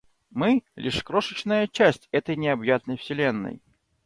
Мы - лишь крошечная часть этой необъятной Вселенной.